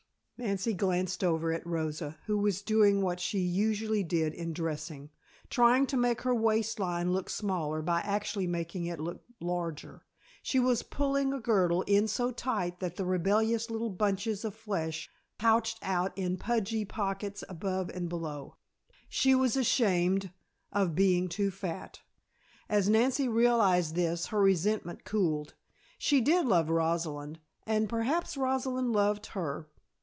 Nancy glanced over at Rosa, who was doing what she usually did in dressing: trying to make her waist line look smaller by actually making it look larger. She was pulling a girdle in so tight that the rebellious little bunches of flesh pouched out in pudgy pockets above and below. She was ashamed of being too fat! As Nancy realized this her resentment cooled. She did love Rosalind and perhaps Rosalind loved her.